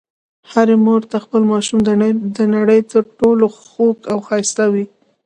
هرې مور ته خپل ماشوم د نړۍ تر ټولو خوږ او ښایسته وي.